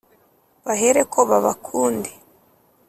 bahereko babakunde